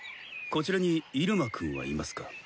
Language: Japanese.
こちらにイルマくんはいますか？